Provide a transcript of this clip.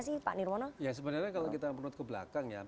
ya sebenarnya kalau kita menurut ke belakang ya